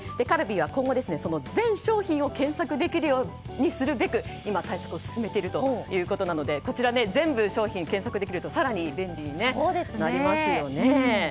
カルビーは今後、全商品を検索できるようにするべく今、対策を進めているということなのでこちら、全部の商品を検索できると更に便利になりますよね。